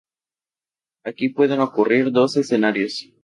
Aquí pueden ocurrir dos escenarios.